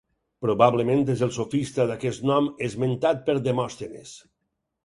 Probablement és el sofista d'aquest nom esmentat per Demòstenes.